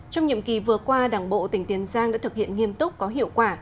trong nhiệm kỳ vừa qua đảng bộ tỉnh tiền giang đã thực hiện nghiêm túc có hiệu quả